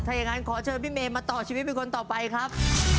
ถ้าอย่างนั้นขอเชิญพี่เมย์มาต่อชีวิตเป็นคนต่อไปครับ